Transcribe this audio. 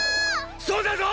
そうだぞ！